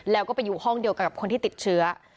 แล้วก็ไปอยู่ห้องเดียวกันกับคนที่ติดเชื้อ